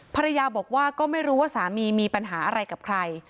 ภรรยาบอกว่าก็ไม่รู้ว่าสามีมีปัญหาอะไรกับใคร